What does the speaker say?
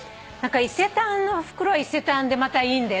伊勢丹の袋伊勢丹でまたいいんだよね。